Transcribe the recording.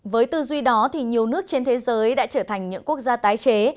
với tư duy đó thì nhiều nước trên thế giới đã trở thành những quốc gia tái chế